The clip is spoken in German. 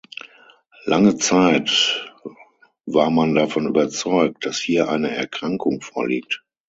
Lange Zeit war man davon überzeugt, dass hier eine Erkrankung vorliegt.